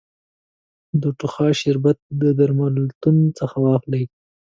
د ټوخا شربت د درملتون څخه واخلی